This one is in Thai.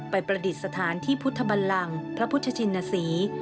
ประดิษฐานที่พุทธบันลังพระพุทธชินศรี